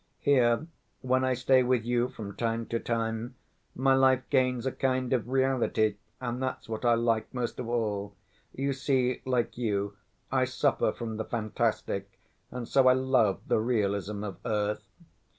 Here when I stay with you from time to time, my life gains a kind of reality and that's what I like most of all. You see, like you, I suffer from the fantastic and so I love the realism of earth.